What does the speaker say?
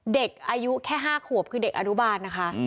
เด็กอายุแค่๕ขวบคือเด็กอนุบาลนะคะ